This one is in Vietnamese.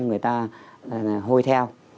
người ta hôi theo